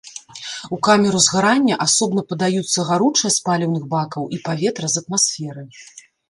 У камеру згарання асобна падаюцца гаручае з паліўных бакаў і паветра з атмасферы.